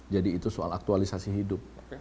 jadi itu soal aktualisasi hidup